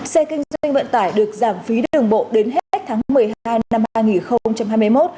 xe kinh doanh vận tải được giảm phí đường bộ đến hết tháng một mươi hai năm hai nghìn hai mươi một